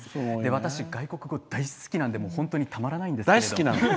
私、外国語大好きなので本当にたまらないんです。